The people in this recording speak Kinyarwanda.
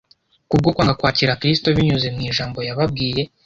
Kubwo kwanga kwakira Kristo binyuze mu ijambo yababwiye